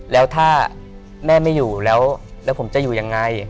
แล้วถ้าแม่ไม่อยู่แล้วผมจะอยู่ยังไง